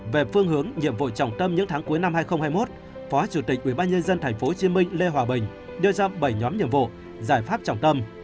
về phương hướng nhiệm vụ trọng tâm những tháng cuối năm hai nghìn hai mươi một phó chủ tịch ubnd tp hcm lê hòa bình đưa ra bảy nhóm nhiệm vụ giải pháp trọng tâm